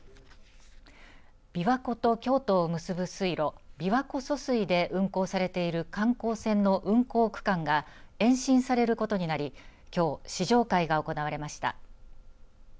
びわ湖と京都を結ぶ水路琵琶湖疎水で運航されている観光船の運航区間が延伸されることになりきょう、試乗会が行われました。